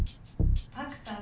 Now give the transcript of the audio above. パクさん